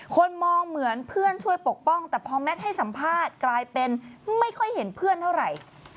คนมองเหมือนเพื่อนช่วยปกป้องแต่พอแมทให้สัมภาษณ์กลายเป็นไม่ค่อยเห็นเพื่อนเท่าไหร่